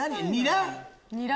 ニラ？